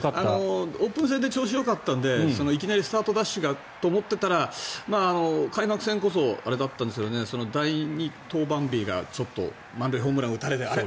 オープン戦で調子よかったのでいきなりスタートダッシュがと思っていたら開幕戦こそあれだったんですが第２登板日がちょっと満塁ホームランを打たれてあれ？